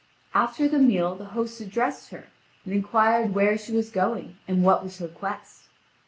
After the meal the host addressed her, and inquired where she was going and what was her quest.